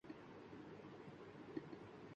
Reagan نے کہا تھا کہ کچھ کہنا نہیں